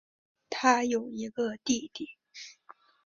她有一个弟弟。